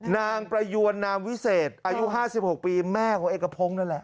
นางประยวนนามวิเศษอายุ๕๖ปีแม่ของเอกพงศ์นั่นแหละ